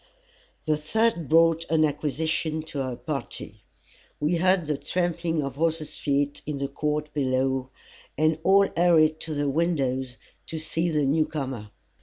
The third brought an acquisition to our party. We heard the trampling of horses' feet in the court below, and all hurried to the windows, to see the new comer.